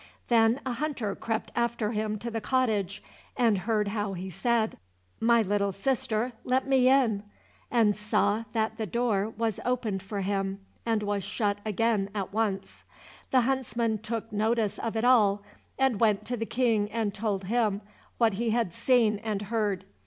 Then a hunter crept after him to the cottage and heard how he said, "My little sister, let me in," and saw that the door was opened for him, and was shut again at once. The huntsman took notice of it all, and went to the King and told him what he had seen and heard.